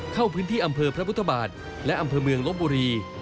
เข้าพื้นที่อำเภอพระพุทธบาทและอำเภอเมืองลบบุรี